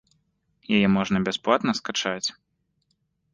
Яе можна бясплатна скачаць.